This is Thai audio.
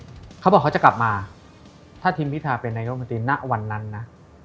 เขาบอกว่าเขาจะกลับมาถ้าทีมพิธาเป็นนายโรงพิธีนักวันนั้นนะ